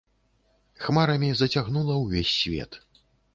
Хмарамі зацягнула ўвесь свет.